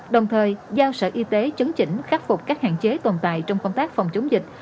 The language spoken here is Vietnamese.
đồng thời giao sở y tế chấn chỉnh khắc phục các hạn chế tồn tại trong công tác phòng chống dịch